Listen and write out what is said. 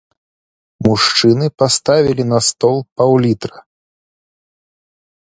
Мужчыны паставілі на стол паўлітра.